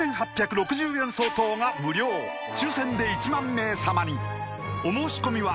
４８６０円相当が無料抽選で１万名様にお申し込みは